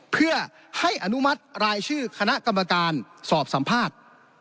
เพื่อให้อนุมัติรายชื่อคณะกรรมการสอบสัมภาษณ์